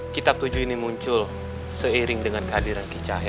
kitab tujuh ini muncul seiring dengan kehadiran ki cahaya